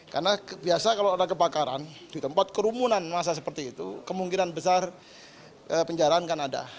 karena biasa kalau ada kebakaran di tempat kerumunan masa seperti itu kemungkinan besar penjarahan kan ada